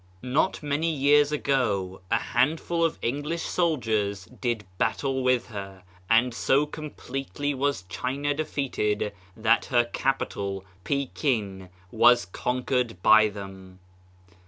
Not many years ago, a handful of English soldiers did battle, with her, and so com pletely was China defeated that her capital, Pekin, was conquered by them.